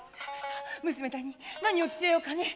娘らに何を着せようかねえ何を」。